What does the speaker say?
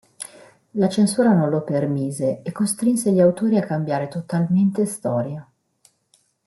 La censura non lo permise e costrinse gli autori a cambiare totalmente storia.